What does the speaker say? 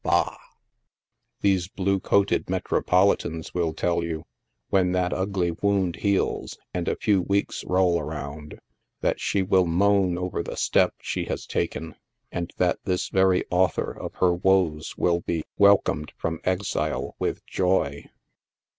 Bah ! These blue coated metropolitans will tell you, when that ugly wound heals, and a few weeks roll around, that she will moan^ over the step she has taken, and that this very author of her woes will be welcomed from exile with joy.